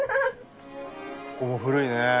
ここも古いね。